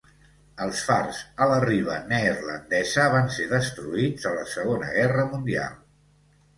Els fars a la riba neerlandesa van ser destruïts a la Segona Guerra Mundial.